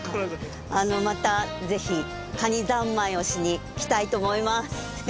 またぜひカニ三昧をしにきたいと思います。